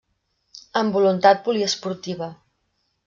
Amb voluntat poliesportiva.